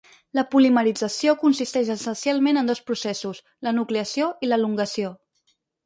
La polimerització consisteix essencialment en dos processos: la nucleació i l'elongació.